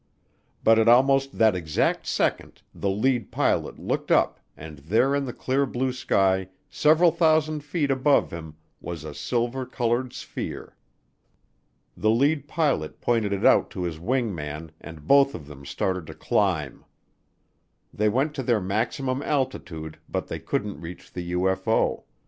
But at almost that exact second the lead pilot looked up and there in the clear blue sky several thousand feet above him was a silver colored sphere. The lead pilot pointed it out to his wing man and both of them started to climb. They went to their maximum altitude but they couldn't reach the UFO.